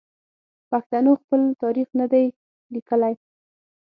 پښتنو خپل تاریخ نه دی لیکلی.